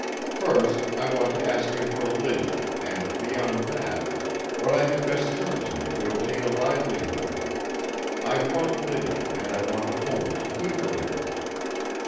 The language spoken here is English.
First, I want to ask you for Liddy, and beyond that, what I had best turn to to obtain a livelihood. I want Liddy, and I want a home to keep her in."